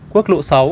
quốc lộ sáu